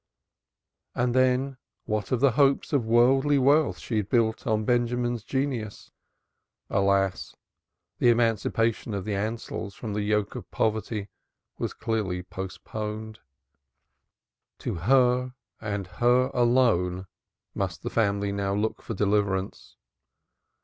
And then what of the hopes of worldly wealth she had built on Benjamin's genius? Alas! the emancipation of the Ansells from the yoke of poverty was clearly postponed. To her and her alone must the family now look for deliverance.